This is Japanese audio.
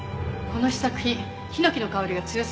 この試作品ヒノキの香りが強すぎるわ。